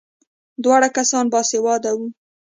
دواړه کسان باسواده وو.